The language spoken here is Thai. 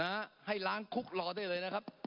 ให้ล้างคุกรอได้เลยนะครับ